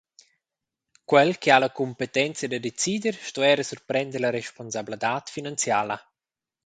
Quel che ha la cumpetenza da decider sto era surprender la responsabladad finanziala.